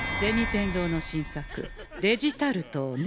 天堂の新作デジタルトをね。